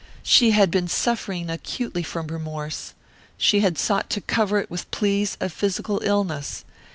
She had been suffering acutely from remorse; she had sought to cover it with pleas of physical illness.